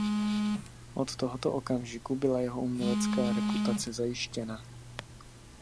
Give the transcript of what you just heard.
Od tohoto okamžiku byla jeho umělecká reputace zajištěna.